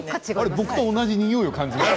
僕と同じにおいを感じる。